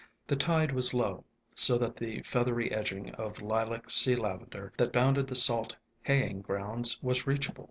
The 'tide was low, so that the feathery edging of lilac Sea Lavender that bounded the salt haying grounds was reachable.